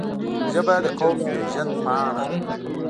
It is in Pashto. ژبه د قوم پېژند پاڼه ده